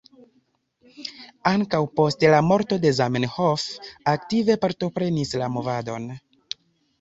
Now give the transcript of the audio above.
Ankaŭ post la morto de Zamenhof aktive partoprenis la movadon.